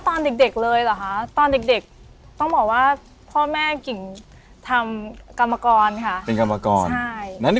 ตอนเด็กว่าพ่อแม่กิ่งจะทำกรรมกรค่ะ